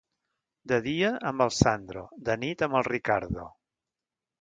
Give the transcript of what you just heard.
De dia, amb el Sandro; de nit, amb el Riccardo.